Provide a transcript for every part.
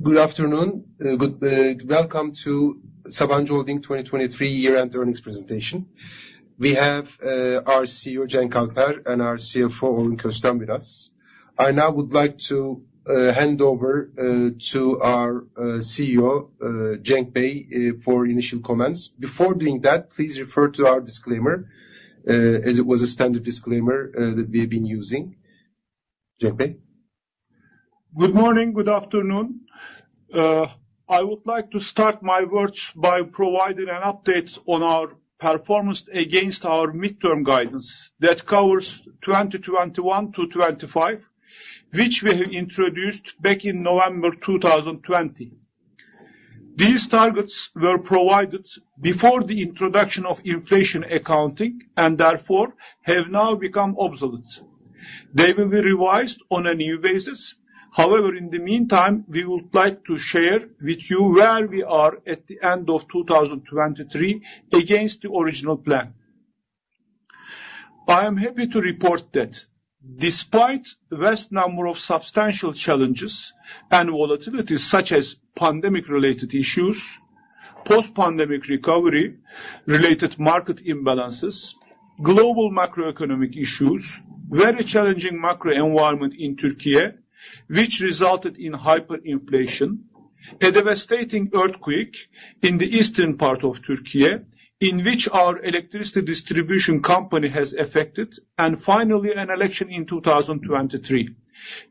Good afternoon, welcome to Sabancı Holding 2023 year-end earnings presentation. We have our CEO Cenk Alper and our CFO Orhun Köstem with us. I now would like to hand over to our CEO, Cenk Bey, for initial comments. Before doing that, please refer to our disclaimer, as it was a standard disclaimer that we have been using. Cenk Bey Good morning, good afternoon. I would like to start my words by providing an update on our performance against our midterm guidance that covers 2021 to 2025, which we have introduced back in November 2020. These targets were provided before the introduction of inflation accounting and therefore have now become obsolete. They will be revised on a new basis. However, in the meantime, we would like to share with you where we are at the end of 2023 against the original plan. I am happy to report that despite vast number of substantial challenges and volatilities such as pandemic-related issues, post-pandemic recovery-related market imbalances, global macroeconomic issues, very challenging macroenvironment in Türkiye, which resulted in hyperinflation, a devastating earthquake in the eastern part of Türkiye, in which our electricity distribution company has affected, and finally an election in 2023,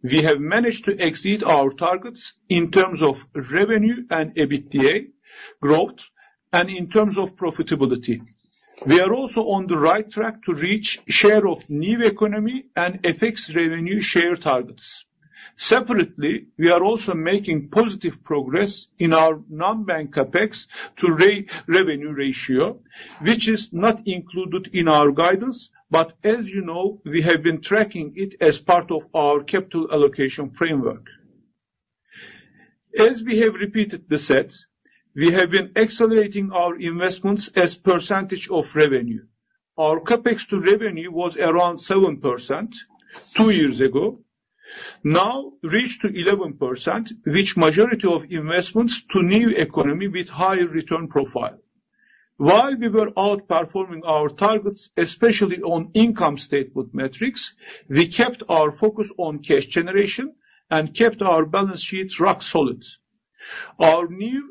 we have managed to exceed our targets in terms of revenue and EBITDA growth and in terms of profitability. We are also on the right track to reach share of new economy and FX revenue share targets. Separately, we are also making positive progress in our non-bank CapEx to revenue ratio, which is not included in our guidance, but as you know, we have been tracking it as part of our Capital Allocation Framework. As we have repeated the set, we have been accelerating our investments as percentage of revenue. Our CapEx to revenue was around 7% two years ago, now reached 11%, which majority of investments to new economy with higher return profile. While we were outperforming our targets, especially on income statement metrics, we kept our focus on cash generation and kept our balance sheet rock solid. Our net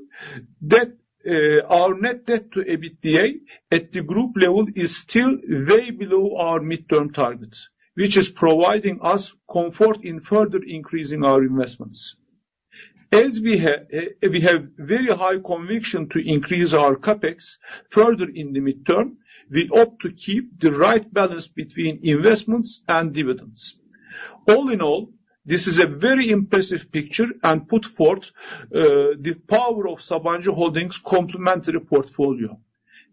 debt to EBITDA at the group level is still way below our midterm target, which is providing us comfort in further increasing our investments. As we have very high conviction to increase our CapEx further in the midterm, we opt to keep the right balance between investments and dividends. All in all, this is a very impressive picture and put forth, the power of Sabancı Holding's complementary portfolio.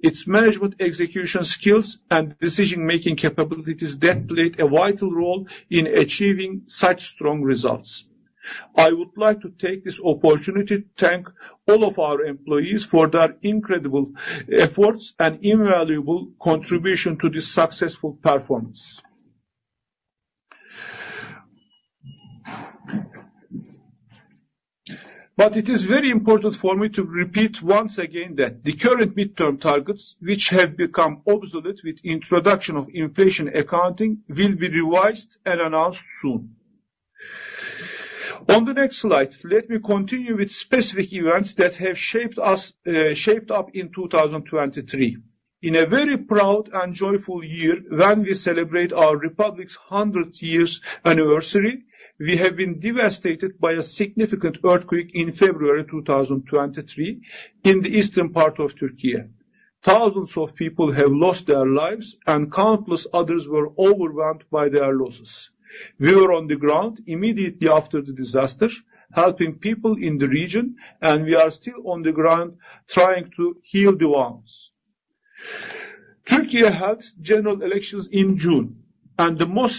Its management execution skills and decision-making capabilities that played a vital role in achieving such strong results. I would like to take this opportunity to thank all of our employees for their incredible efforts and invaluable contribution to this successful performance. But it is very important for me to repeat once again that the current midterm targets, which have become obsolete with the introduction of inflation accounting, will be revised and announced soon. On the next slide, let me continue with specific events that have shaped us, shaped up in 2023. In a very proud and joyful year when we celebrate our republic's 100th year's anniversary, we have been devastated by a significant earthquake in February 2023 in the eastern part of Türkiye. Thousands of people have lost their lives, and countless others were overwhelmed by their losses. We were on the ground immediately after the disaster, helping people in the region, and we are still on the ground trying to heal the wounds. Türkiye held general elections in June, and the most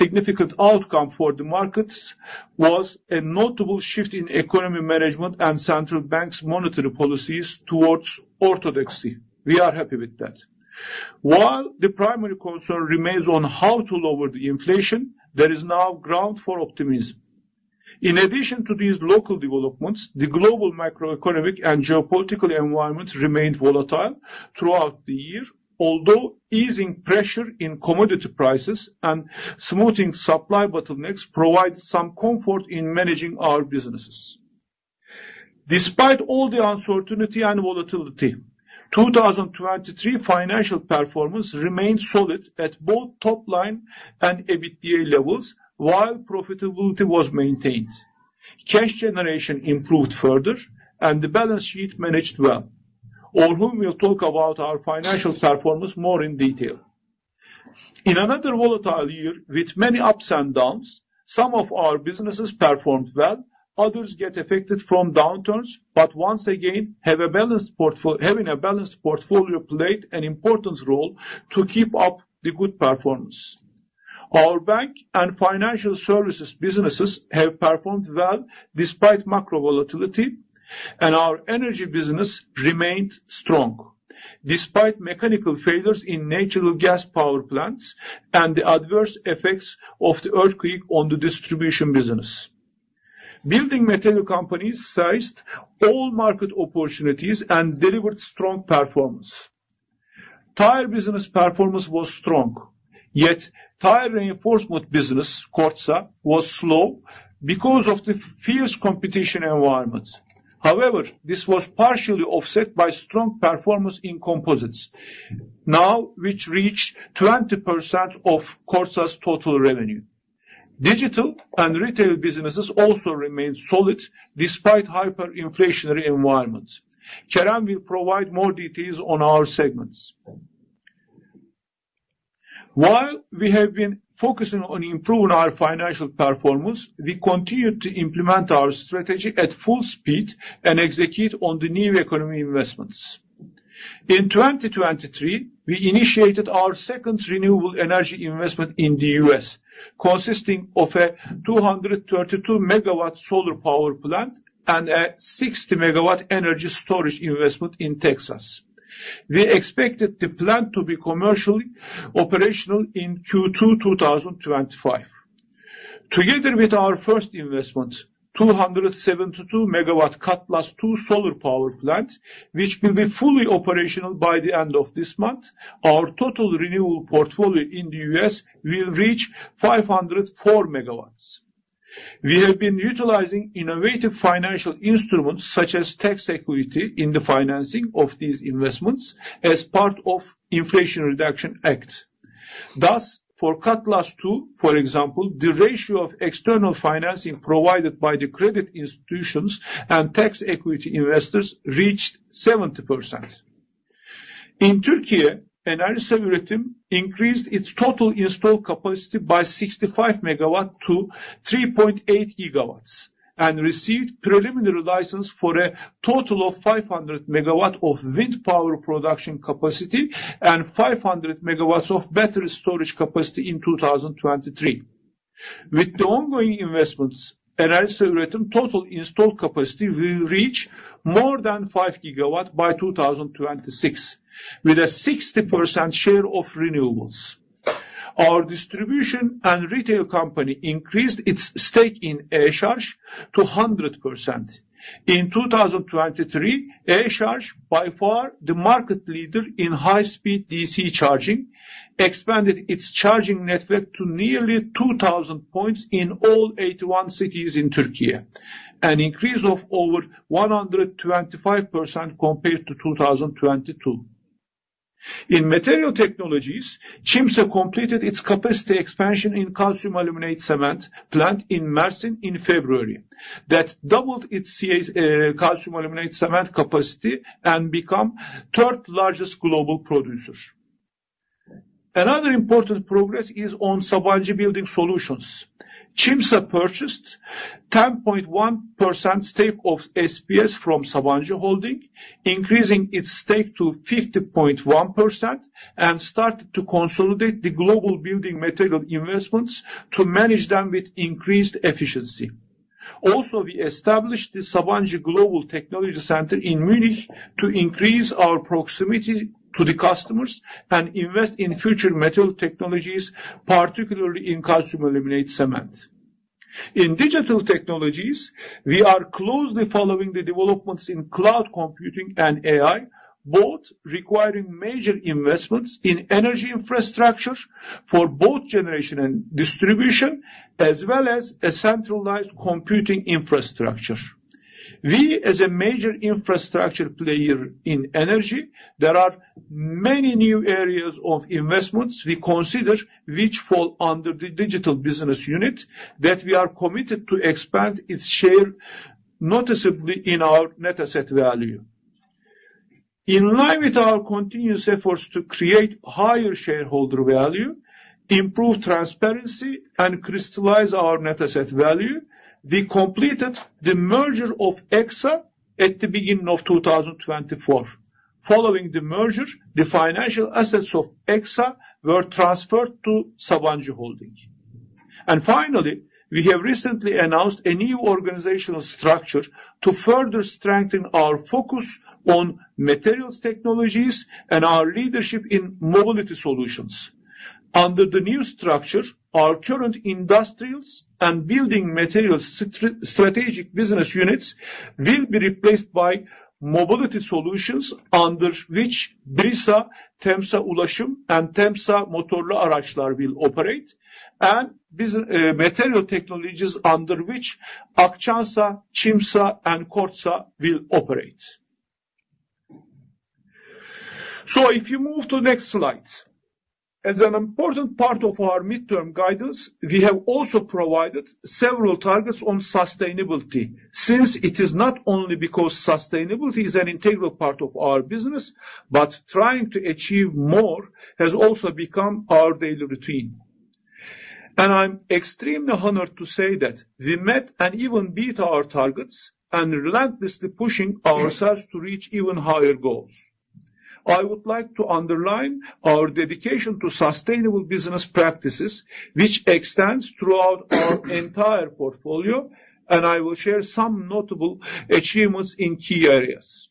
significant outcome for the markets was a notable shift in economy management and central banks' monetary policies towards orthodoxy. We are happy with that. While the primary concern remains on how to lower the inflation, there is now ground for optimism. In addition to these local developments, the global macroeconomic and geopolitical environment remained volatile throughout the year, although easing pressure in commodity prices and smoothing supply bottlenecks provided some comfort in managing our businesses. Despite all the uncertainty and volatility, 2023 financial performance remained solid at both top-line and EBITDA levels while profitability was maintained. Cash generation improved further, and the balance sheet managed well. Orhun will talk about our financial performance more in detail. In another volatile year with many ups and downs, some of our businesses performed well, others got affected from downturns, but once again, having a balanced portfolio played an important role to keep up the good performance. Our bank and financial services businesses have performed well despite macro volatility, and our energy business remained strong despite mechanical failures in natural gas power plants and the adverse effects of the earthquake on the distribution business. Building material companies seized all market opportunities and delivered strong performance. Tire business performance was strong, yet tire reinforcement business, Kordsa, was slow because of the fierce competition environment. However, this was partially offset by strong performance in composites, now which reached 20% of Kordsa's total revenue. Digital and retail businesses also remained solid despite hyperinflationary environment. Kerem will provide more details on our segments. While we have been focusing on improving our financial performance, we continue to implement our strategy at full speed and execute on the new economy investments. In 2023, we initiated our second renewable energy investment in the U.S., consisting of a 232-MW solar power plant and a 60-MW energy storage investment in Texas. We expected the plant to be commercially operational in Q2 2025. Together with our first investment, 272-MW Cutlass II. In Türkiye, Enerjisa Üretim increased its total installed capacity by 65 MWs to 3.8 gigawatts and received preliminary license for a total of 500 MWs of wind power production capacity and 500 MWs of battery storage capacity in 2023. With the ongoing investments, Enerjisa Üretim's total installed capacity will reach more than 5 gigawatts by 2026 with a 60% share of renewables. Our distribution and retail company increased its stake in Eşarj to 100%. In 2023, Eşarj, by far the market leader in high-speed DC charging, expanded its charging network to nearly 2,000 points in all 81 cities in Türkiye, an increase of over 125% compared to 2022. In material technologies, Çimsa completed its capacity expansion in calcium aluminate cement plant in Mersin in February that doubled its CAC, calcium aluminate cement capacity and became the third largest global producer. Another important progress is on Sabancı Building Solutions. Çimsa purchased 10.1% stake of SBS from Sabancı Holding, increasing its stake to 50.1%, and started to consolidate the global building material investments to manage them with increased efficiency. Also, we established the Sabancı Global Technology Center in Munich to increase our proximity to the customers and invest in future material technologies, particularly in calcium aluminate cement. In digital technologies, we are closely following the developments in cloud computing and AI, both requiring major investments in energy infrastructure for both generation and distribution, as well as a centralized computing infrastructure. We, as a major infrastructure player in energy, there are many new areas of investments we consider which fall under the digital business unit that we are committed to expand its share noticeably in our net asset value. In line with our continuous efforts to create higher shareholder value, improve transparency, and crystallize our net asset value, we completed the merger of Exsa at the beginning of 2024. Following the merger, the financial assets of Exsa were transferred to Sabancı Holding. Finally, we have recently announced a new organizational structure to further strengthen our focus on materials technologies and our leadership in mobility solutions. Under the new structure, our current industrials and building materials strategic business units will be replaced by mobility solutions under which Brisa, Temsa Ulaşım, and Temsa Motorlu Araçlar will operate, and building material technologies under which Akçansa, Çimsa, and Kordsa will operate. So if you move to the next slide, as an important part of our midterm guidance, we have also provided several targets on sustainability since it is not only because sustainability is an integral part of our business, but trying to achieve more has also become our daily routine. And I'm extremely honored to say that we met and even beat our targets and relentlessly pushing ourselves to reach even higher goals. I would like to underline our dedication to sustainable business practices, which extends throughout our entire portfolio, and I will share some notable achievements in key areas.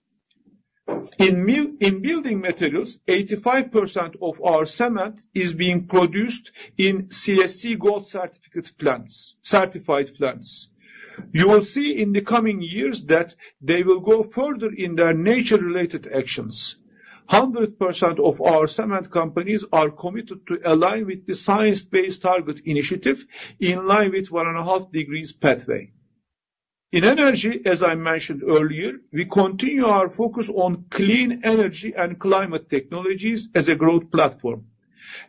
In building materials, 85% of our cement is being produced in CSC Gold Certificate plants certified plants. You will see in the coming years that they will go further in their nature-related actions. 100% of our cement companies are committed to align with the Science Based Targets initiative in line with 1.5 degrees pathway. In energy, as I mentioned earlier, we continue our focus on clean energy and climate technologies as a growth platform.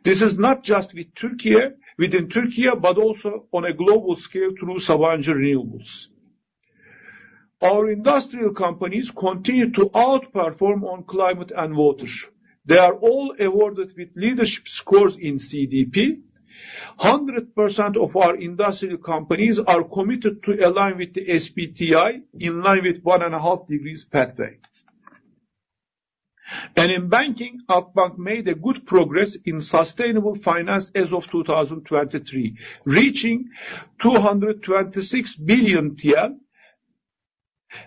This is not just with Türkiye within Türkiye, but also on a global scale through Sabancı Renewables. Our industrial companies continue to outperform on climate and water. They are all awarded with leadership scores in CDP. 100% of our industrial companies are committed to align with the SBTi in line with 1.5 degrees pathway. In banking, Akbank made good progress in sustainable finance as of 2023, reaching 226 billion TL,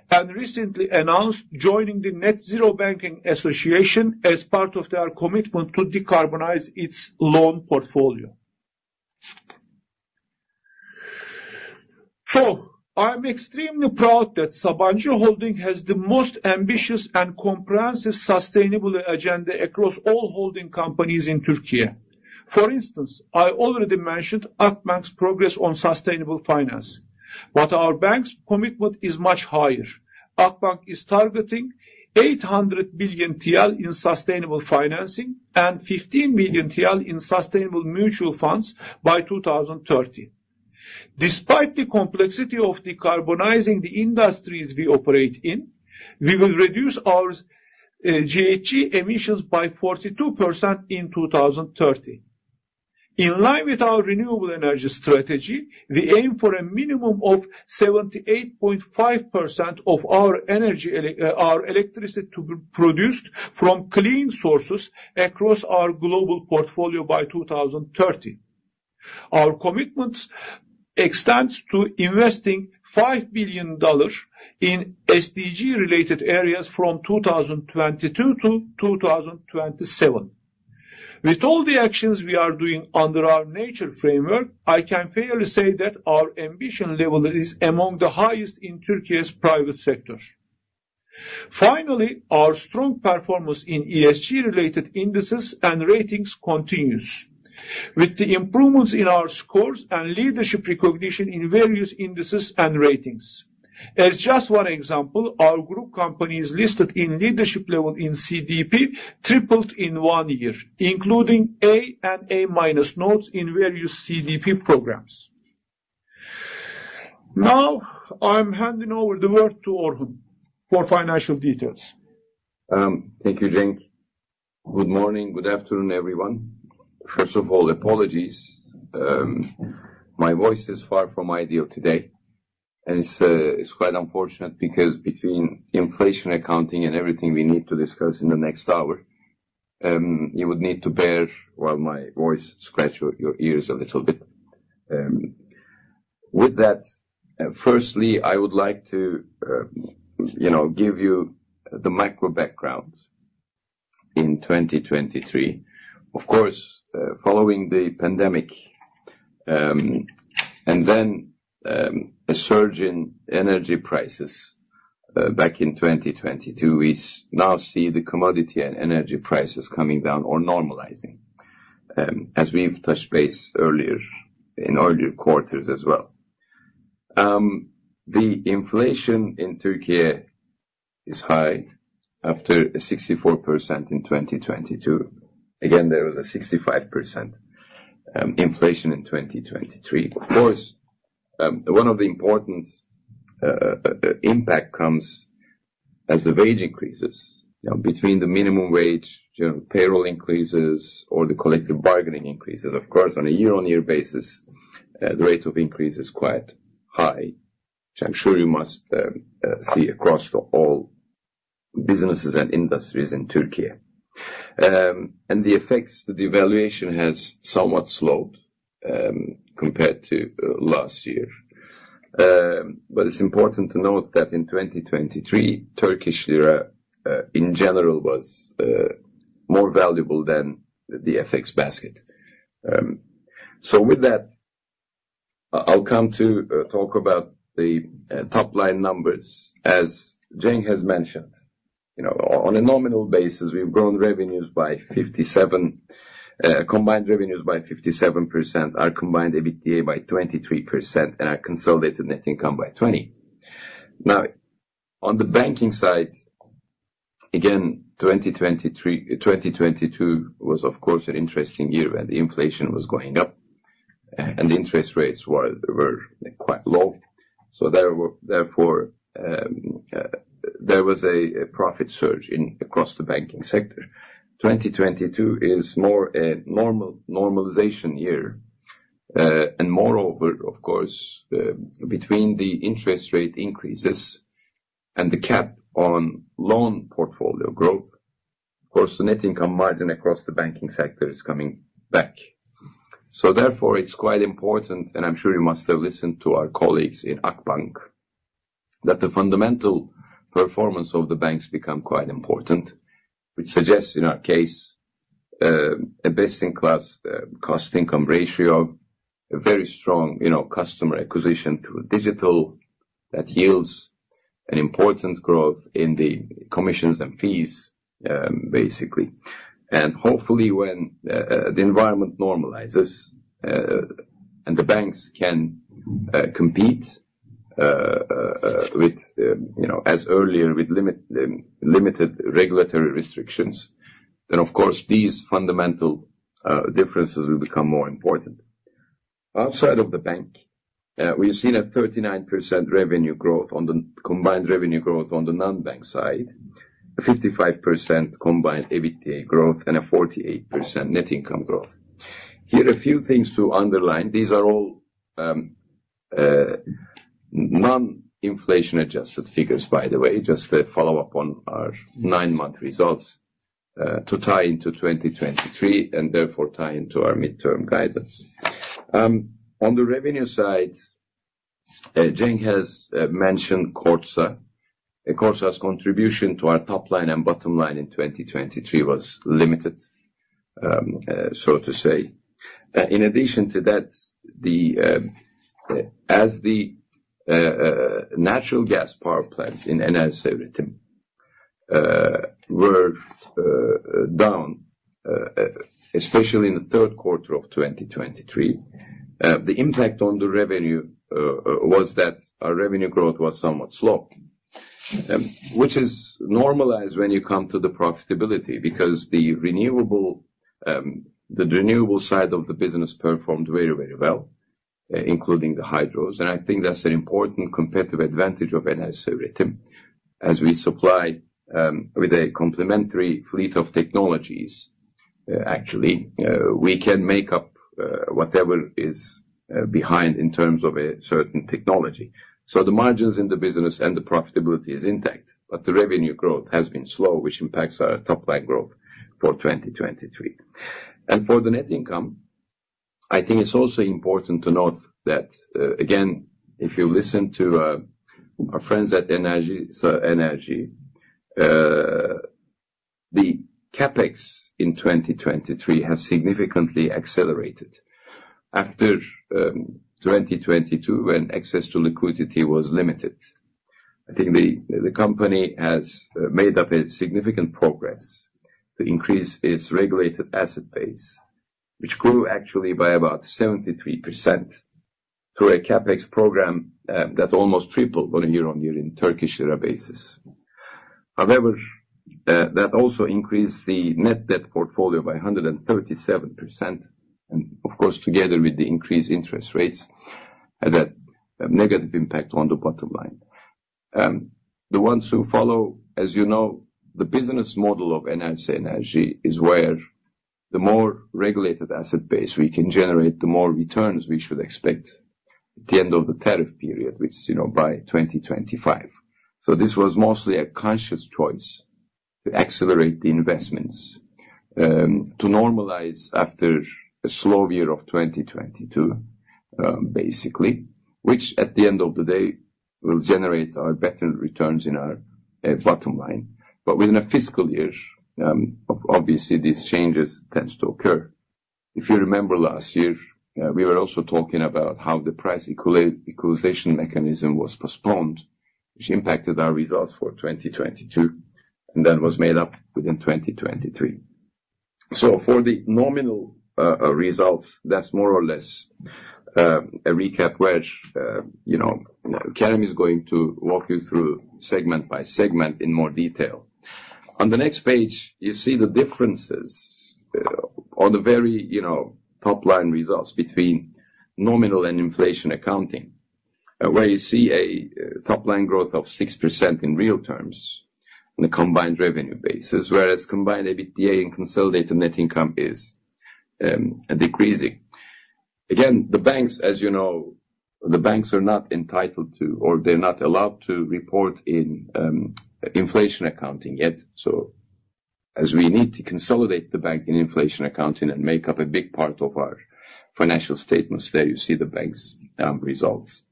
and recently announced joining the Net-Zero Banking Alliance as part of their commitment to decarbonize its loan portfolio. I'm extremely proud that Sabancı Holding has the most ambitious and comprehensive sustainability agenda across all holding companies in Türkiye. For instance, I already mentioned Akbank's progress on sustainable finance, but our bank's commitment is much higher. Akbank is targeting 800 billion TL in sustainable financing and 15 million TL in sustainable mutual funds by 2030. Despite the complexity of decarbonizing the industries we operate in, we will reduce our GHG emissions by 42% in 2030. In line with our renewable energy strategy, we aim for a minimum of 78.5% of our electricity to be produced from clean sources across our global portfolio by 2030. Our commitment extends to investing $5 billion in SDG-related areas from 2022 to 2027. With all the actions we are doing under our nature framework, I can fairly say that our ambition level is among the highest in Türkiye's private sector. Finally, our strong performance in ESG-related indices and ratings continues. With the improvements in our scores and leadership recognition in various indices and ratings, as just one example, our group companies listed in leadership level in CDP tripled in one year, including A and A- notes in various CDP programs. Now I'm handing over the word to Orhun for financial details. Thank you, Cenk. Good morning. Good afternoon, everyone. First of all, apologies. My voice is far from ideal today, and it's, it's quite unfortunate because between inflation accounting and everything we need to discuss in the next hour, you would need to bear well, my voice scratch your, your ears a little bit. With that, firstly, I would like to, you know, give you the macro background in 2023. Of course, following the pandemic, and then, a surge in energy prices, back in 2022, we now see the commodity and energy prices coming down or normalizing, as we've touched base earlier in earlier quarters as well. The inflation in Türkiye is high after 64% in 2022. Again, there was a 65% inflation in 2023. Of course, one of the important impact comes as the wage increases, you know, between the minimum wage, you know, payroll increases, or the collective bargaining increases. Of course, on a year-on-year basis, the rate of increase is quite high, which I'm sure you must see across all businesses and industries in Türkiye. The effects the devaluation has somewhat slowed, compared to last year. But it's important to note that in 2023, Turkish lira in general was more valuable than the FX basket. With that, I'll come to talk about the top-line numbers. As Cenk has mentioned, you know, on a nominal basis, we've grown revenues by 57% combined revenues by 57%, our combined EBITDA by 23%, and our consolidated net income by 20%. Now, on the banking side, again, 2023, 2022 was, of course, an interesting year when the inflation was going up, and the interest rates were quite low. So therefore, there was a profit surge across the banking sector. 2022 is more a normalization year. Moreover, of course, between the interest rate increases and the cap on loan portfolio growth, of course, the net income margin across the banking sector is coming back. So therefore, it's quite important and I'm sure you must have listened to our colleagues in Akbank that the fundamental performance of the banks become quite important, which suggests in our case, a best-in-class, cost-income ratio, a very strong, you know, customer acquisition through digital that yields an important growth in the commissions and fees, basically. Hopefully, when the environment normalizes, and the banks can compete, with, you know, as earlier with limited regulatory restrictions, then, of course, these fundamental differences will become more important. Outside of the bank, we've seen a 39% revenue growth on the combined revenue growth on the non-bank side, a 55% combined EBITDA growth, and a 48% net income growth. Here, a few things to underline. These are all non-inflation-adjusted figures, by the way, just to follow up on our nine-month results, to tie into 2023 and therefore tie into our midterm guidance. On the revenue side, Cenk has mentioned Çimsa. Çimsa's contribution to our top-line and bottom-line in 2023 was limited, so to say. In addition to that, as the natural gas power plants in Enerjisa Üretim were down, especially in the third quarter of 2023, the impact on the revenue was that our revenue growth was somewhat slow, which is normalized when you come to the profitability because the renewable side of the business performed very, very well, including the hydros. And I think that's an important competitive advantage of Enerjisa Üretim. As we supply with a complementary fleet of technologies, actually, we can make up whatever is behind in terms of a certain technology. So the margins in the business and the profitability is intact, but the revenue growth has been slow, which impacts our top-line growth for 2023. And for the net income, I think it's also important to note that, again, if you listen to our friends at Enerjisa Enerji, the CAPEX in 2023 has significantly accelerated after 2022 when access to liquidity was limited. I think the company has made up a significant progress to increase its regulated asset base, which grew actually by about 73% through a CAPEX program that almost tripled on a year-on-year in Turkish Lira basis. However, that also increased the net debt portfolio by 137% and, of course, together with the increased interest rates, that negative impact on the bottom line. The ones who follow, as you know, the business model of Enerjisa Enerji is where the more regulated asset base we can generate, the more returns we should expect at the end of the tariff period, which is, you know, by 2025. So this was mostly a conscious choice to accelerate the investments, to normalize after a slow year of 2022, basically, which at the end of the day will generate our better returns in our bottom line. But within a fiscal year, obviously, these changes tend to occur. If you remember last year, we were also talking about how the price equalization mechanism was postponed, which impacted our results for 2022 and then was made up within 2023. So for the nominal results, that's more or less a recap where, you know, Kerem is going to walk you through segment by segment in more detail. On the next page, you see the differences, on the very, you know, top-line results between nominal and inflation accounting, where you see a top-line growth of 6% in real terms on a combined revenue basis, whereas combined EBITDA and consolidated net income is decreasing. Again, the banks, as you know, the banks are not entitled to or they're not allowed to report in inflation accounting yet. So as we need to consolidate the bank in inflation accounting and make up a big part of our financial statements, there you see the banks' results.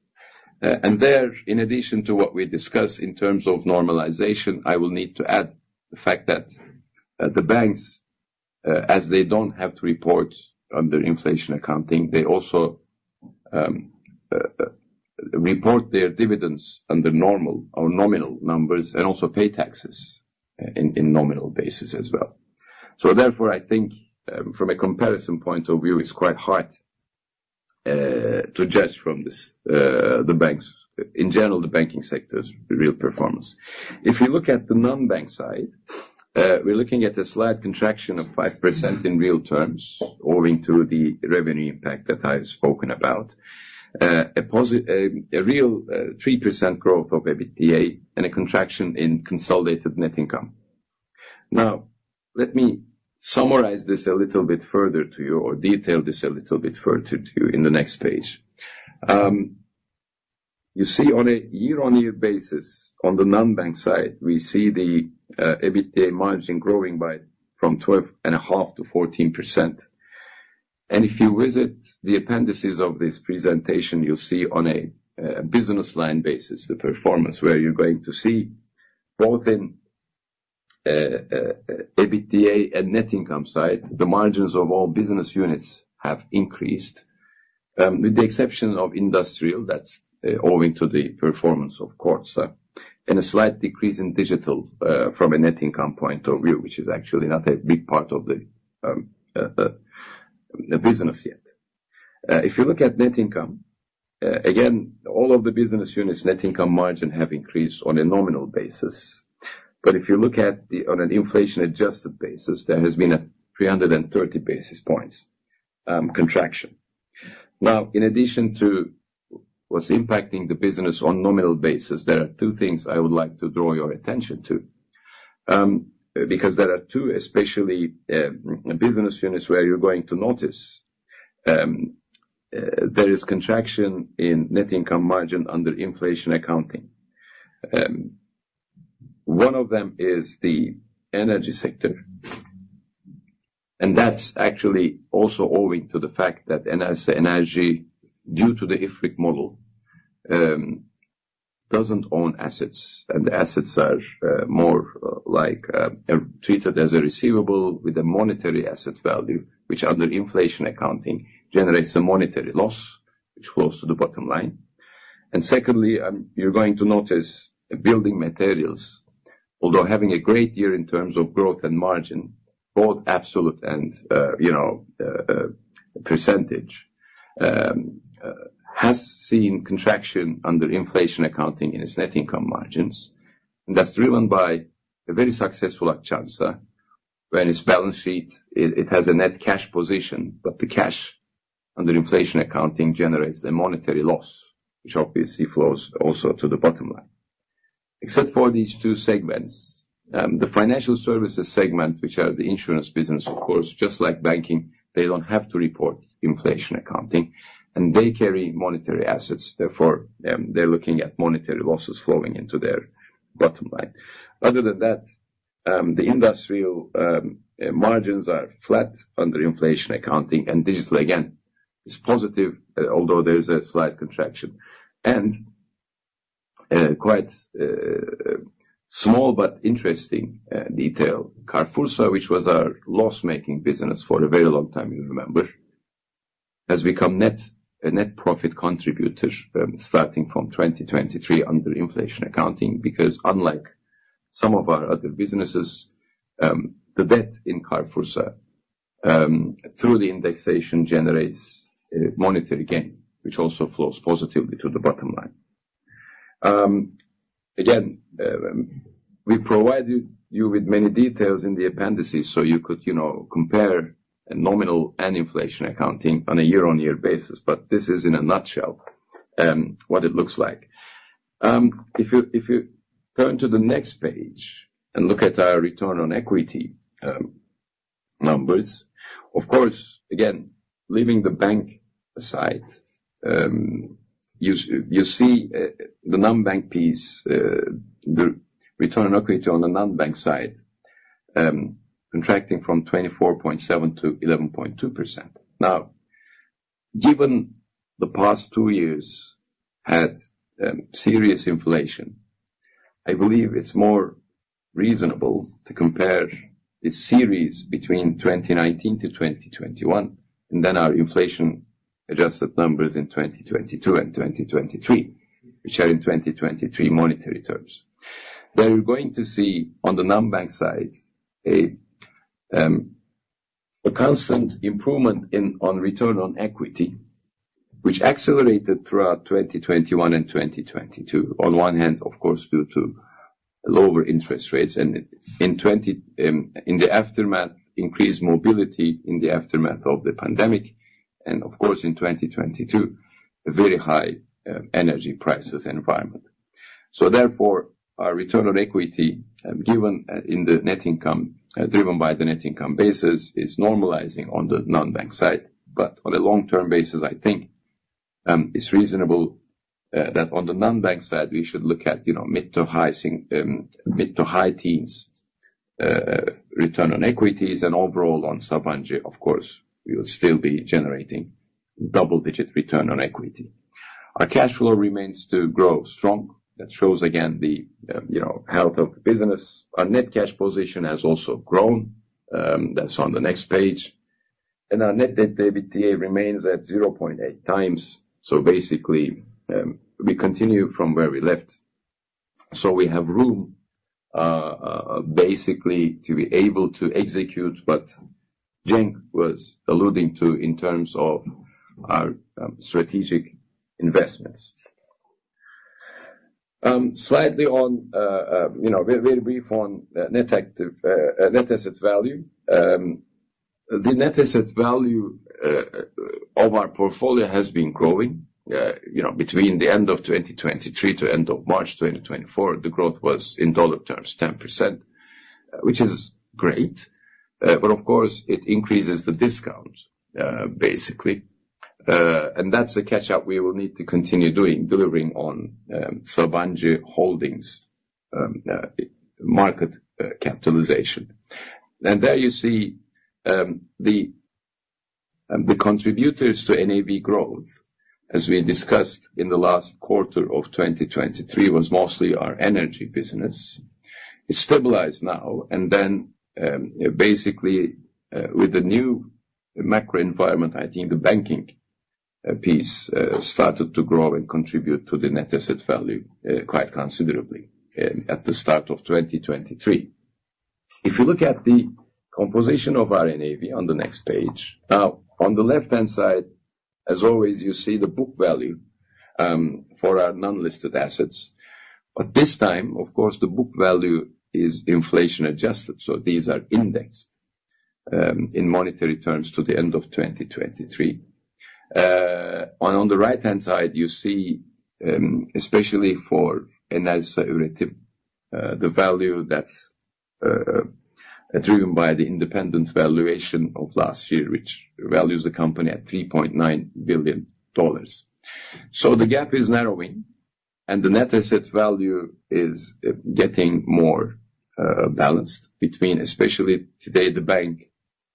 And there, in addition to what we discuss in terms of normalization, I will need to add the fact that the banks, as they don't have to report under inflation accounting, they also report their dividends under normal or nominal numbers and also pay taxes in nominal basis as well. So therefore, I think, from a comparison point of view, it's quite hard to judge from this the banks in general, the banking sector's real performance. If you look at the non-bank side, we're looking at a slight contraction of 5% in real terms owing to the revenue impact that I've spoken about, a positive, real 3% growth of EBITDA and a contraction in consolidated net income. Now, let me summarize this a little bit further to you or detail this a little bit further to you in the next page. You see on a year-on-year basis, on the non-bank side, we see the EBITDA margin growing from 12.5% to 14%. And if you visit the appendices of this presentation, you'll see on a business line basis the performance where you're going to see both in EBITDA and net income side, the margins of all business units have increased, with the exception of industrial. That's owing to the performance of Kordsa and a slight decrease in digital, from a net income point of view, which is actually not a big part of the business yet. If you look at net income, again, all of the business units' net income margin have increased on a nominal basis. But if you look at on an inflation-adjusted basis, there has been a 330 basis points contraction. Now, in addition to what's impacting the business on nominal basis, there are two things I would like to draw your attention to, because there are two, especially, business units where you're going to notice, there is contraction in net income margin under inflation accounting. One of them is the energy sector, and that's actually also owing to the fact that Enerjisa Enerji, due to the IFRIC model, doesn't own assets, and the assets are, more, like, treated as a receivable with a monetary asset value, which under inflation accounting generates a monetary loss, which flows to the bottom line. And secondly, you're going to notice building materials, although having a great year in terms of growth and margin, both absolute and, you know, percentage, has seen contraction under inflation accounting in its net income margins. And that's driven by a very successful Akçansa. When it's balance sheet, it, it has a net cash position, but the cash under inflation accounting generates a monetary loss, which obviously flows also to the bottom line. Except for these two segments, the financial services segment, which are the insurance business, of course, just like banking, they don't have to report inflation accounting, and they carry monetary assets. Therefore, they're looking at monetary losses flowing into their bottom line. Other than that, the industrial margins are flat under inflation accounting, and digital, again, is positive, although there's a slight contraction. And, quite small but interesting detail, CarrefourSA, which was our loss-making business for a very long time, you remember, has become net a net profit contributor, starting from 2023 under inflation accounting because, unlike some of our other businesses, the debt in CarrefourSA through the indexation generates monetary gain, which also flows positively to the bottom line. Again, we provide you with many details in the appendices so you could, you know, compare nominal and inflation accounting on a year-on-year basis, but this is, in a nutshell, what it looks like. If you turn to the next page and look at our return on equity numbers, of course, again, leaving the bank aside, you see the non-bank piece, the return on equity on the non-bank side, contracting from 24.7%-11.2%. Now, given the past two years had serious inflation, I believe it's more reasonable to compare this series between 2019 to 2021 and then our inflation-adjusted numbers in 2022 and 2023, which are in 2023 monetary terms. There you're going to see on the non-bank side a constant improvement in return on equity, which accelerated throughout 2021 and 2022, on one hand, of course, due to lower interest rates and in 2020 in the aftermath, increased mobility in the aftermath of the pandemic and, of course, in 2022, a very high energy prices environment. So therefore, our return on equity, given in the net income, driven by the net income basis, is normalizing on the non-bank side. But on a long-term basis, I think it's reasonable that on the non-bank side, we should look at, you know, mid to high teens return on equities, and overall on Sabancı, of course, we will still be generating double-digit return on equity. Our cash flow remains to grow strong. That shows, again, the, you know, health of the business. Our net cash position has also grown. That's on the next page. Our net debt to EBITDA remains at 0.8 times. So basically, we continue from where we left. So we have room, basically, to be able to execute what Cenk was alluding to in terms of our strategic investments. Slightly on, you know, very, very brief on net asset value. The net asset value of our portfolio has been growing, you know, between the end of 2023 to end of March 2024. The growth was in dollar terms 10%, which is great. But of course, it increases the discount, basically. And that's a catch-up we will need to continue doing, delivering on Sabancı Holding's market capitalization. And there you see the contributors to NAV growth, as we discussed in the last quarter of 2023, was mostly our energy business. It stabilized now and then, basically, with the new macro environment, I think the banking, piece, started to grow and contribute to the net asset value, quite considerably, at the start of 2023. If you look at the composition of our NAV on the next page, now, on the left-hand side, as always, you see the book value, for our non-listed assets. But this time, of course, the book value is inflation-adjusted, so these are indexed, in monetary terms to the end of 2023. On the right-hand side, you see, especially for Enerjisa Üretim, the value that's, driven by the independent valuation of last year, which values the company at $3.9 billion. So the gap is narrowing, and the net asset value is, getting more, balanced between, especially today, the bank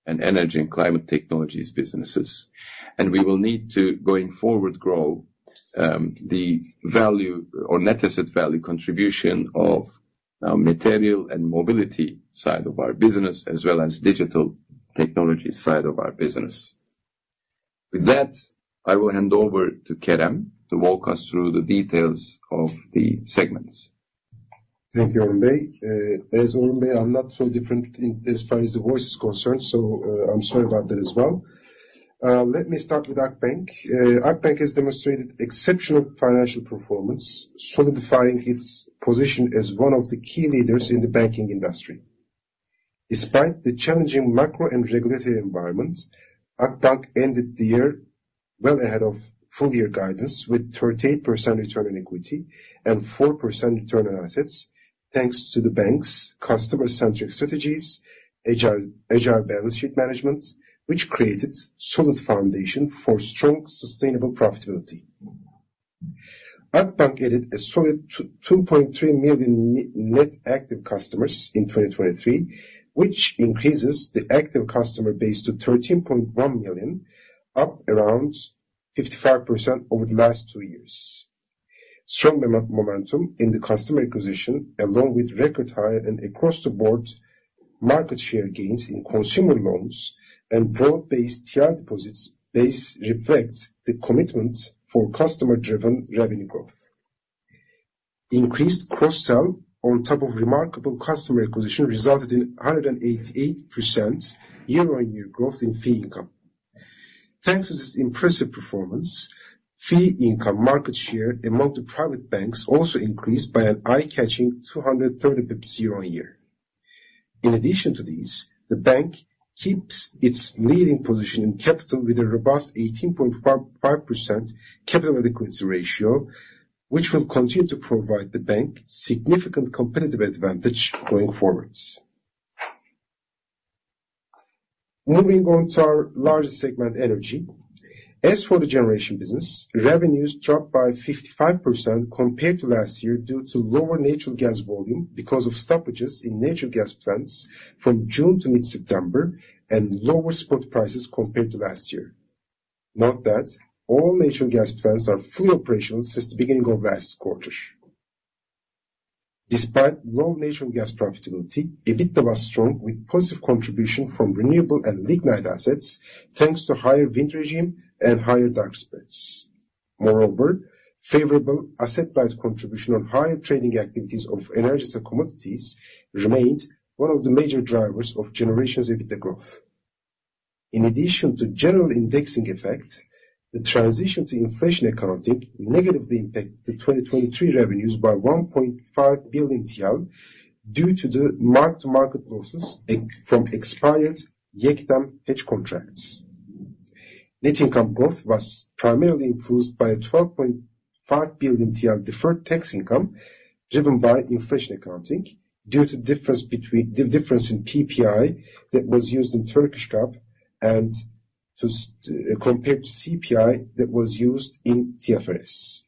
and energy and climate technologies businesses. We will need to, going forward, grow, the value or net asset value contribution of, material and mobility side of our business as well as digital technologies side of our business. With that, I will hand over to Kerem to walk us through the details of the segments. Thank you, Orhun Bey. As Orhun Bey announced, so different in as far as the voice is concerned, so, I'm sorry about that as well. Let me start with Akbank. Akbank has demonstrated exceptional financial performance, solidifying its position as one of the key leaders in the banking industry. Despite the challenging macro and regulatory environments, Akbank ended the year well ahead of full-year guidance with 38% return on equity and 4% return on assets thanks to the bank's customer-centric strategies, agile agile balance sheet management, which created solid foundation for strong, sustainable profitability. Akbank added a solid 2.3 million net active customers in 2023, which increases the active customer base to 13.1 million, up around 55% over the last two years. Strong momentum in the customer acquisition, along with record high and across-the-board market share gains in consumer loans and broad-based TL deposits base reflects the commitment for customer-driven revenue growth. Increased cross-sell on top of remarkable customer acquisition resulted in 188% year-on-year growth in fee income. Thanks to this impressive performance, fee income market share among the private banks also increased by an eye-catching 230 bps year-on-year. In addition to these, the bank keeps its leading position in capital with a robust 18.5% capital adequacy ratio, which will continue to provide the bank significant competitive advantage going forward. Moving on to our larger segment, energy. As for the generation business, revenues dropped by 55% compared to last year due to lower natural gas volume because of stoppages in natural gas plants from June to mid-September and lower spot prices compared to last year. Note that all natural gas plants are fully operational since the beginning of last quarter. Despite low natural gas profitability, EBITDA was strong with positive contribution from renewable and lignite assets thanks to higher wind regime and higher dark spreads. Moreover, favorable asset-light contribution on higher trading activities of energies and commodities remained one of the major drivers of generations' EBITDA growth. In addition to general indexing effect, the transition to inflation accounting negatively impacted the 2023 revenues by 1.5 billion TL due to the mark-to-market losses from expired YEKDEM hedge contracts. Net income growth was primarily influenced by a 12.5 billion TL deferred tax income driven by inflation accounting due to the difference in PPI that was used in Turkish tax compared to CPI that was used in TFRS.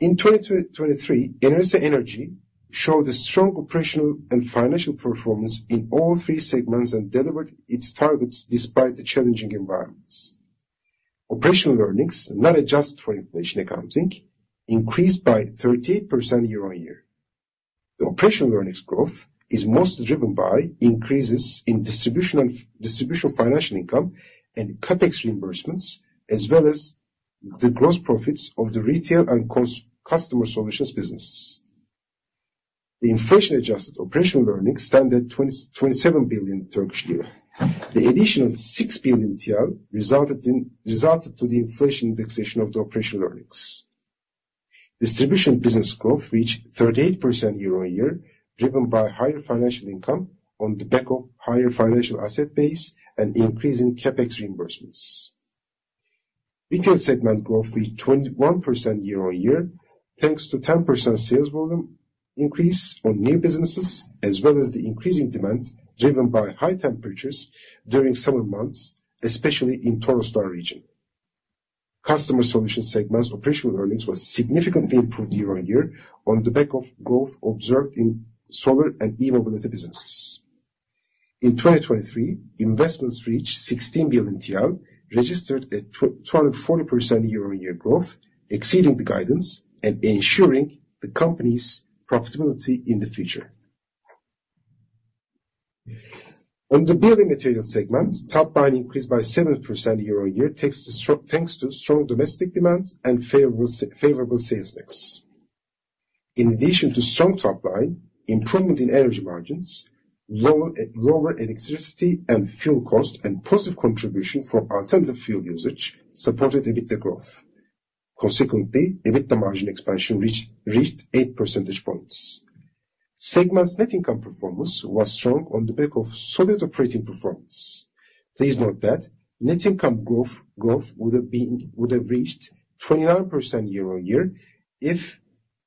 In 2023, Enerjisa Enerji showed a strong operational and financial performance in all three segments and delivered its targets despite the challenging environments. Operational earnings not adjusted for inflation accounting increased by 38% year-on-year. The operational earnings growth is mostly driven by increases in distribution and generation financial income and CAPEX reimbursements as well as the gross profits of the retail and consumer customer solutions businesses. The inflation-adjusted operational earnings stood at 27 billion Turkish lira. The additional 6 billion TL resulted from the inflation indexation of the operational earnings. Distribution business growth reached 38% year-on-year driven by higher financial income on the back of higher financial asset base and increasing CAPEX reimbursements. Retail segment growth reached 21% year-on-year thanks to 10% sales volume increase on new businesses as well as the increasing demand driven by high temperatures during summer months, especially in the Toroslar region. Customer solutions segment's operational earnings were significantly improved year-on-year on the back of growth observed in solar and e-mobility businesses. In 2023, investments reached 16 billion TL, registered a 240% year-on-year growth exceeding the guidance and ensuring the company's profitability in the future. On the building materials segment, top line increased by 7% year-on-year thanks to strong domestic demand and favorable sales mix. In addition to strong top line, improvement in energy margins, lower electricity and fuel cost, and positive contribution from alternative fuel usage supported EBITDA growth. Consequently, EBITDA margin expansion reached 8 percentage points. Segment's net income performance was strong on the back of solid operating performance. Please note that net income growth would have reached 29% year-on-year if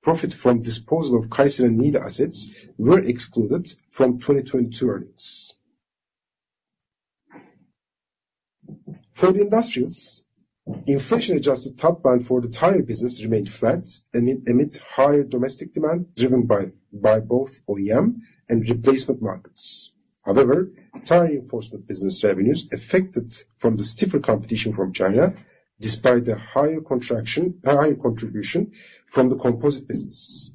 profit from disposal of Kayseri and Niğde assets were excluded from 2022 earnings. For the industrials, inflation-adjusted top line for the tire business remained flat amid higher domestic demand driven by both OEM and replacement markets. However, tire reinforcement business revenues affected from the stiffer competition from China despite the higher contribution from the composite business.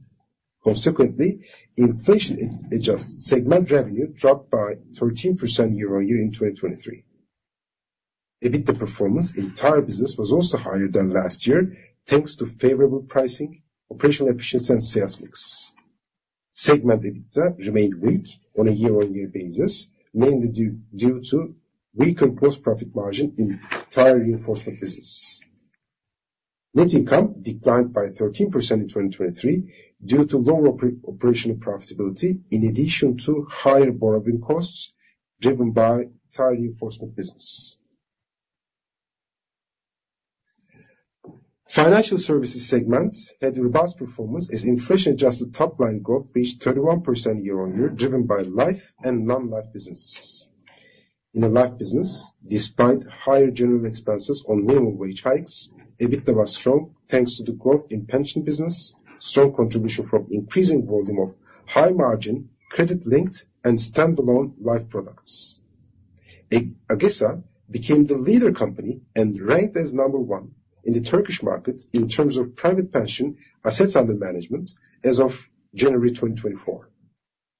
Consequently, inflation-adjusted segment revenue dropped by 13% year-on-year in 2023. EBITDA performance in tire business was also higher than last year thanks to favorable pricing, operational efficiency, and sales mix. Segment EBITDA remained weak on a year-on-year basis, mainly due to weaker gross profit margin in tire reinforcement business. Net income declined by 13% in 2023 due to lower operational profitability in addition to higher borrowing costs driven by tire reinforcement business. Financial services segment had robust performance as inflation-adjusted top line growth reached 31% year-over-year driven by life and non-life businesses. In the life business, despite higher general expenses on minimum wage hikes, EBITDA was strong thanks to the growth in pension business, strong contribution from increasing volume of high-margin, credit-linked, and standalone life products. AgeSA became the leader company and ranked as number one in the Turkish market in terms of private pension assets under management as of January 2024.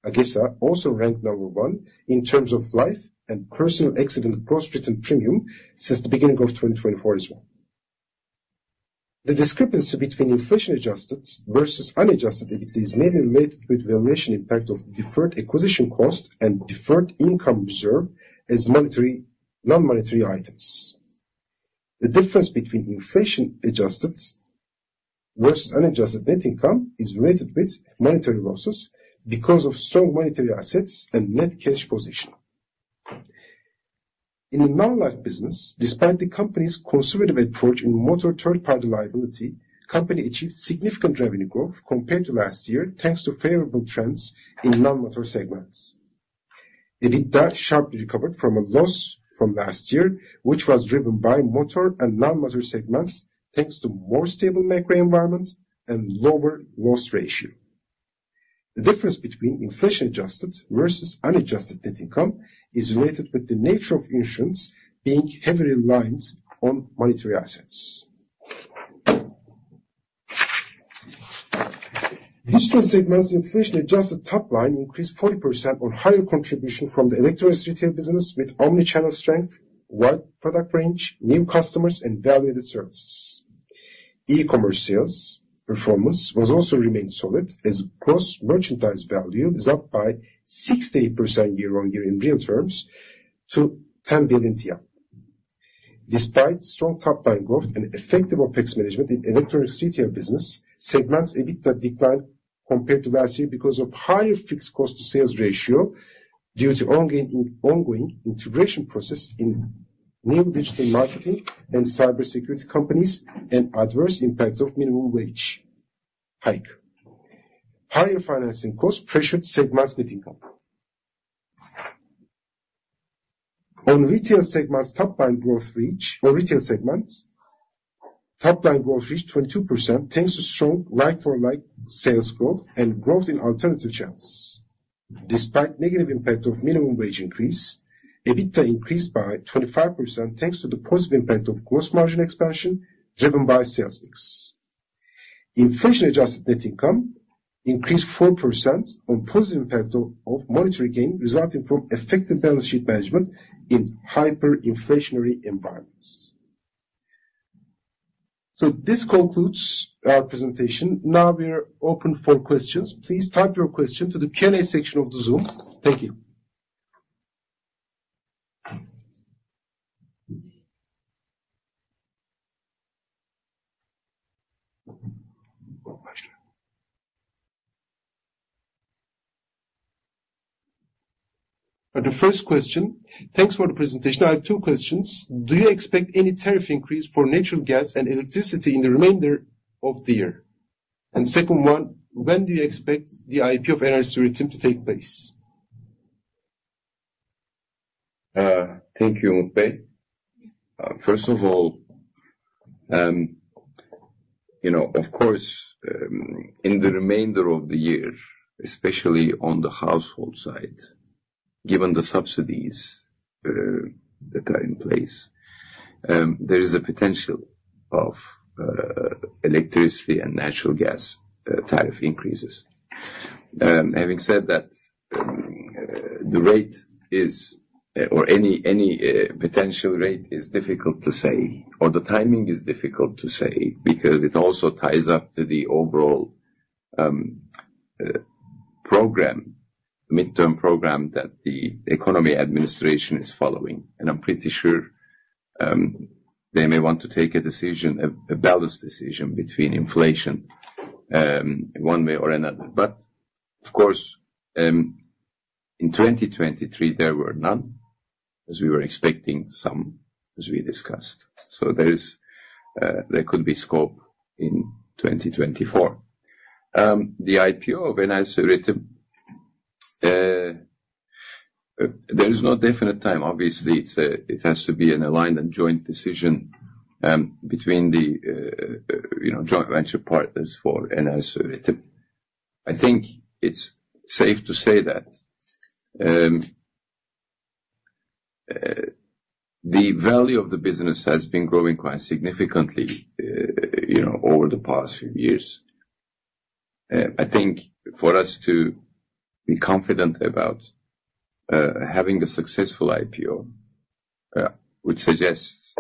AgeSA also ranked number one in terms of life and personal accident gross written premium since the beginning of 2024 as well. The discrepancy between inflation-adjusted versus unadjusted EBITDA is mainly related with valuation impact of deferred acquisition cost and deferred income reserve as monetary non-monetary items. The difference between inflation-adjusted versus unadjusted net income is related with monetary losses because of strong monetary assets and net cash position. In the non-life business, despite the company's conservative approach in motor third-party liability, the company achieved significant revenue growth compared to last year thanks to favorable trends in non-motor segments. EBITDA sharply recovered from a loss from last year, which was driven by motor and non-motor segments thanks to more stable macro environment and lower loss ratio. The difference between inflation-adjusted versus unadjusted net income is related with the nature of insurance being heavily aligned on monetary assets. Digital segment's inflation-adjusted top line increased 40% on higher contribution from the electronics retail business with omnichannel strength, wide product range, new customers, and value-added services. E-commerce sales performance also remained solid as gross merchandise value is up by 68% year-on-year in real terms to 10 billion TL. Despite strong top line growth and effective OPEX management in electronics retail business, segment's EBITDA declined compared to last year because of higher fixed cost-to-sales ratio due to ongoing integration process in new digital marketing and cybersecurity companies and adverse impact of minimum wage hike. Higher financing costs pressured segment's net income. Top line growth reached 22% thanks to strong like-for-like sales growth and growth in alternative channels. Despite negative impact of minimum wage increase, EBITDA increased by 25% thanks to the positive impact of gross margin expansion driven by sales mix. Inflation-adjusted net income increased 4% on positive impact of monetary gain resulting from effective balance sheet management in hyperinflationary environments. So this concludes our presentation. Now we are open for questions. Please type your question to the Q&A section of the Zoom. Thank you. The first question. Thanks for the presentation. I have two questions. Do you expect any tariff increase for natural gas and electricity in the remainder of the year? And second one, when do you expect the IPO of Enerjisa to take place? Thank you, Orhun Bey. First of all, you know, of course, in the remainder of the year, especially on the household side, given the subsidies that are in place, there is a potential of electricity and natural gas tariff increases. Having said that, the rate or any potential rate is difficult to say or the timing is difficult to say because it also ties up to the overall program, midterm program that the economy administration is following. And I'm pretty sure they may want to take a decision, a balanced decision between inflation one way or another. But of course, in 2023, there were none as we were expecting some as we discussed. So there could be scope in 2024. The CEO of Enerjisa, there is no definite time. Obviously, it's, it has to be an aligned and joint decision between the, you know, joint venture partners for Enerji. I think it's safe to say that. The value of the business has been growing quite significantly, you know, over the past few years. I think for us to be confident about having a successful IPO would suggest,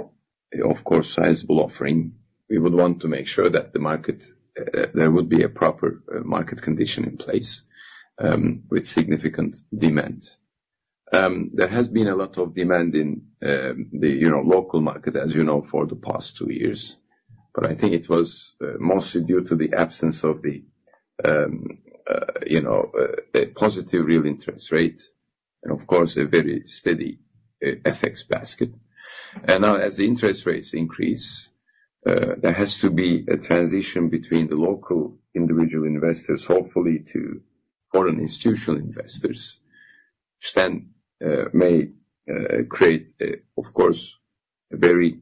of course, sizable offering. We would want to make sure that the market there would be a proper market condition in place with significant demand. There has been a lot of demand in the, you know, local market, as you know, for the past two years. But I think it was mostly due to the absence of the, you know, a positive real interest rate and, of course, a very steady FX basket. Now as the interest rates increase, there has to be a transition between the local individual investors, hopefully to foreign institutional investors, which then may create, of course, a very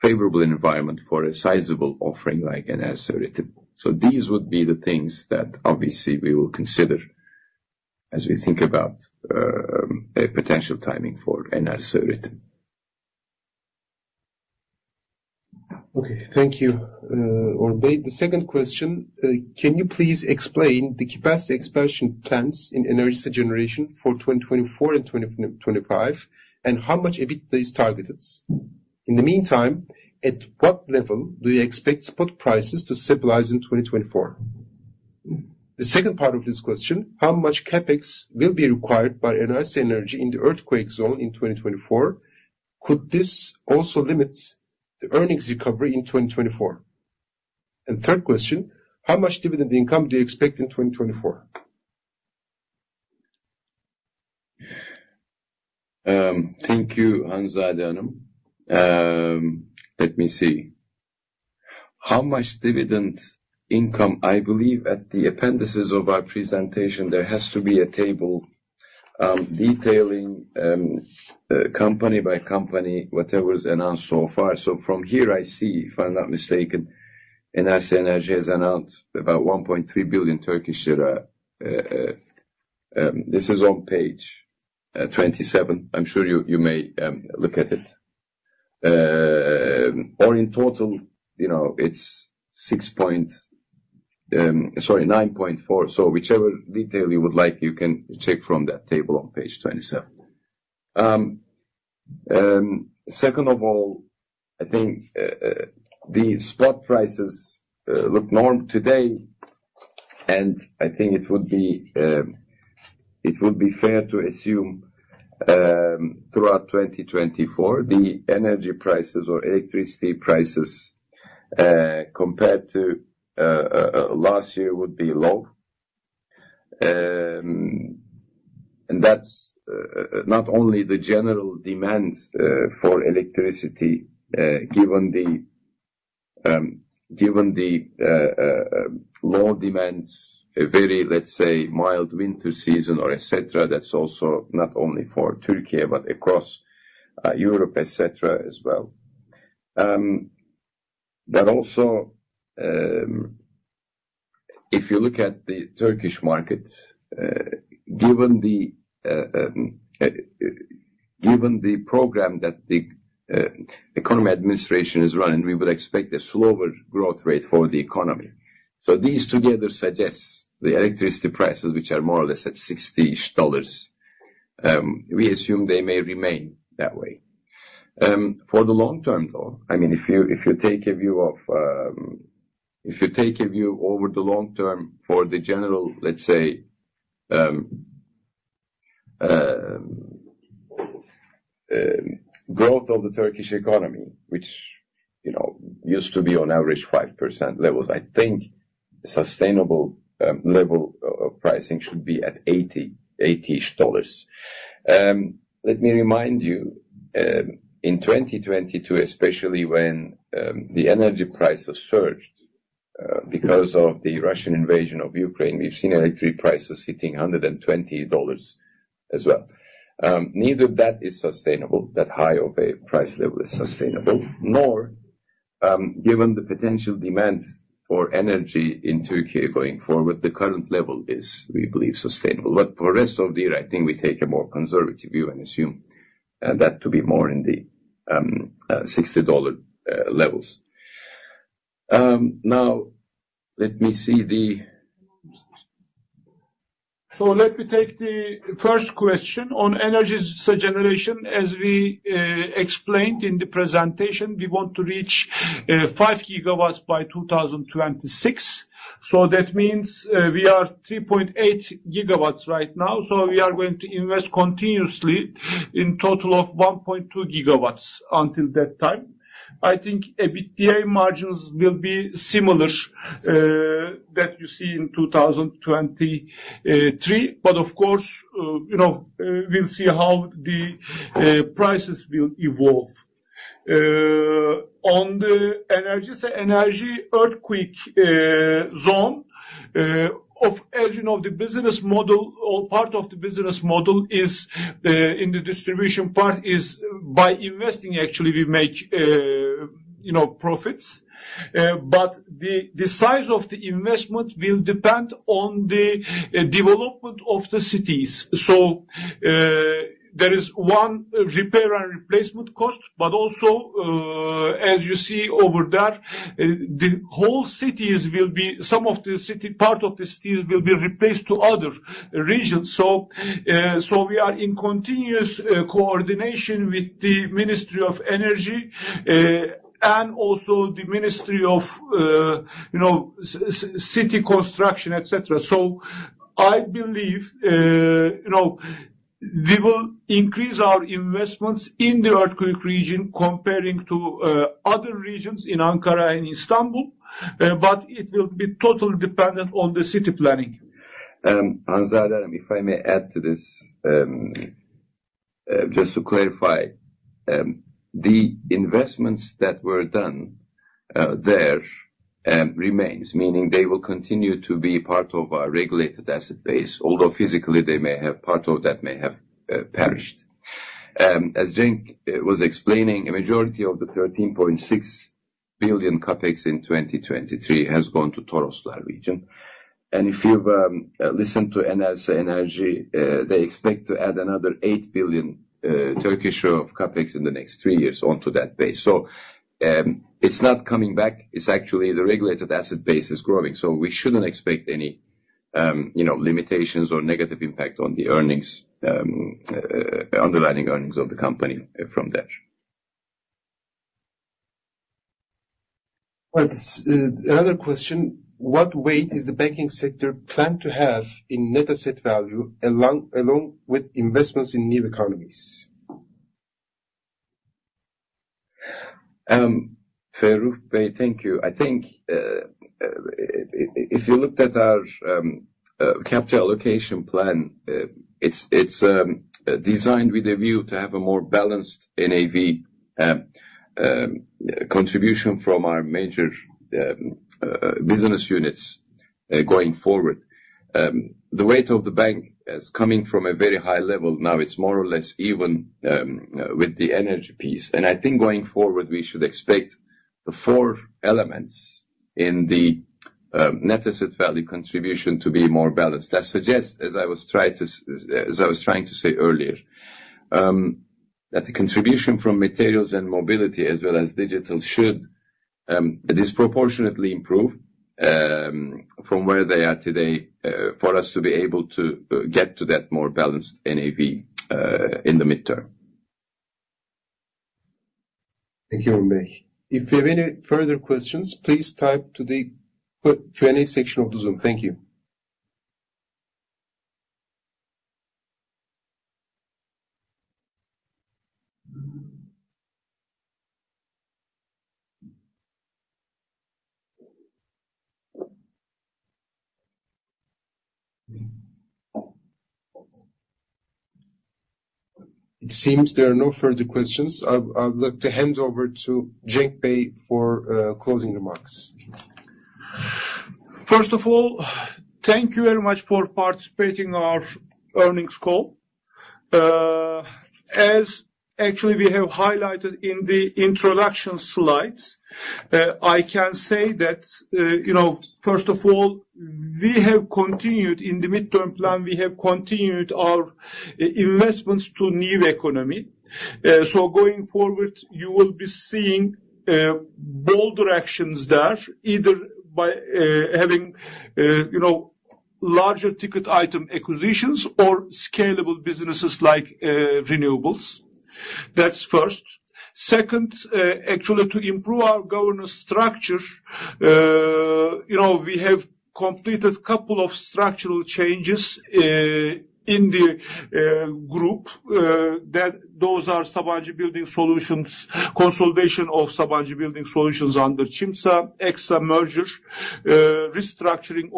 favorable environment for a sizable offering like Enerji. So these would be the things that obviously we will consider as we think about a potential timing for Enerji. Okay. Thank you, Orhun Bey. The second question, can you please explain the capacity expansion plans in Enerjisa generation for 2024 and 2025 and how much EBITDA is targeted? In the meantime, at what level do you expect spot prices to stabilize in 2024? The second part of this question, how much CAPEX will be required by Enerjisa in the earthquake zone in 2024? Could this also limit the earnings recovery in 2024? And third question, how much dividend income do you expect in 2024? Thank you, Hanzade Hanım. Let me see. How much dividend income? I believe at the appendices of our presentation, there has to be a table detailing company by company whatever is announced so far. So from here, I see, if I'm not mistaken, Enerji has announced about 1.3 billion Turkish lira. This is on page 27. I'm sure you may look at it. Or in total, you know, it's 6 point, sorry, 9.4 billion. So whichever detail you would like, you can check from that table on page 27. Second of all, I think the spot prices look normal today. And I think it would be it would be fair to assume throughout 2024, the energy prices or electricity prices compared to last year would be low. That's not only the general demand for electricity given the low demands, a very, let's say, mild winter season or etc., that's also not only for Türkiye but across Europe, etc., as well. But also, if you look at the Turkish market, given the program that the economy administration is running, we would expect a slower growth rate for the economy. So these together suggest the electricity prices, which are more or less at $60-ish, we assume they may remain that way. For the long term, though, I mean, if you take a view over the long term for the general, let's say, growth of the Turkish economy, which, you know, used to be on average 5% levels, I think sustainable level of pricing should be at $80-ish. Let me remind you, in 2022, especially when the energy prices surged because of the Russian invasion of Ukraine, we've seen electricity prices hitting $120 as well. Neither that is sustainable. That high of a price level is sustainable. Nor, given the potential demand for energy in Türkiye going forward, the current level is, we believe, sustainable. But for the rest of the year, I think we take a more conservative view and assume that to be more in the $60 levels. Now, let me see the. So let me take the first question. On Enerjisa generation, as we explained in the presentation, we want to reach 5 gigawatts by 2026. So that means we are 3.8 gigawatts right now. So we are going to invest continuously in total of 1.2 gigawatts until that time. I think EBITDA margins will be similar that you see in 2023. But of course, you know, we'll see how the prices will evolve. On the Enerjisa earthquake zone, as you know, the business model or part of the business model is in the distribution part is by investing, actually, we make, you know, profits. But the size of the investment will depend on the development of the cities. So there is one repair and replacement cost. But also, as you see over there, the whole cities will be some of the city part of the cities will be replaced to other regions. So we are in continuous coordination with the Ministry of Energy and also the Ministry of, you know, city construction, etc. So I believe, you know, we will increase our investments in the earthquake region comparing to other regions in Ankara and Istanbul. But it will be totally dependent on the city planning. Hanzade Hanım, if I may add to this, just to clarify, the investments that were done there remains, meaning they will continue to be part of our regulated asset base, although physically, they may have part of that may have perished. As Cenk was explaining, a majority of the 13.6 billion CAPEX in 2023 has gone to Toroslar region. If you've listened to Enerji, they expect to add another 8 billion of CAPEX in the next three years onto that base. So it's not coming back. It's actually the regulated asset base is growing. So we shouldn't expect any, you know, limitations or negative impact on the earnings, underlying earnings of the company from that. Another question, what weight is the banking sector planned to have in net asset value along with investments in new economies? Ferruh Bey, thank you. I think if you looked at our capital allocation plan, it's designed with a view to have a more balanced NAV contribution from our major business units going forward. The weight of the bank is coming from a very high level. Now, it's more or less even with the energy piece. And I think going forward, we should expect the four elements in the net asset value contribution to be more balanced. That suggests, as I was trying to say earlier, that the contribution from materials and mobility as well as digital should disproportionately improve from where they are today for us to be able to get to that more balanced NAV in the midterm. Thank you, Orhun Bey. If you have any further questions, please type to the Q&A section of the Zoom. Thank you. It seems there are no further questions. I'd like to hand over to Cenk Bey for closing remarks. First of all, thank you very much for participating in our earnings call. As actually we have highlighted in the introduction slides, I can say that, you know, first of all, we have continued in the midterm plan, we have continued our investments to new economy. So going forward, you will be seeing bolder actions there either by having, you know, larger ticket item acquisitions or scalable businesses like renewables. That's first. Second, actually to improve our governance structure, you know, we have completed a couple of structural changes in the group. Those are Sabancı Building Solutions, consolidation of Sabancı Building Solutions under Çimsa, Exsa merger, restructuring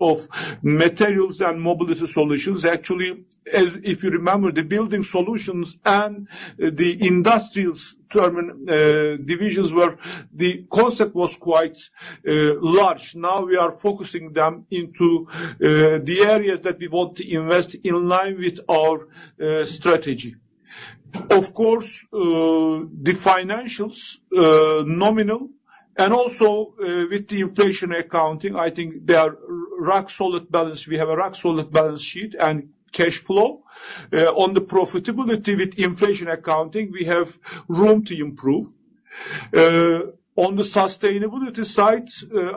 of materials and mobility solutions. Actually, as if you remember, the Building Solutions and the Industrials Divisions were the concept was quite large. Now, we are focusing them into the areas that we want to invest in line with our strategy. Of course, the financials, nominal, and also with the inflation accounting, I think they are rock-solid balanced. We have a rock-solid balance sheet and cash flow. On the profitability with inflation accounting, we have room to improve. On the sustainability side,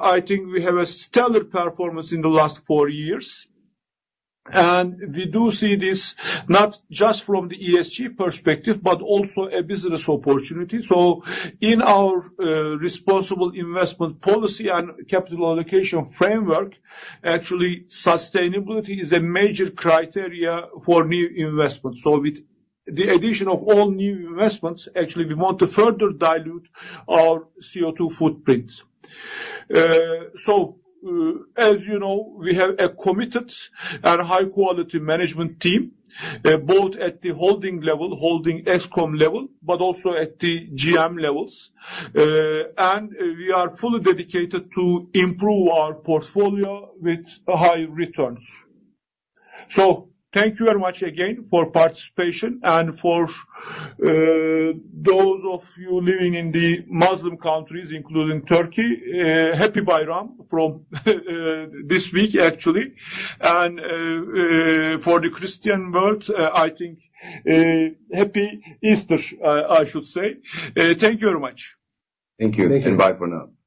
I think we have a stellar performance in the last four years. And we do see this not just from the ESG perspective but also a business opportunity. So in our Responsible Investment Policy and Capital Allocation Framework, actually, sustainability is a major criteria for new investments. So with the addition of all new investments, actually, we want to further dilute our CO2 footprint. So as you know, we have a committed and high-quality management team both at the holding level, Holding ExCom level, but also at the GM levels. And we are fully dedicated to improve our portfolio with high returns. So thank you very much again for participation. And for those of you living in the Muslim countries, including Türkiye, Happy Bayram from this week, actually. And for the Christian world, I think Happy Easter, I should say. Thank you very much. Thank you. Bye for now.